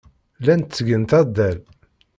Llant ttgent addal.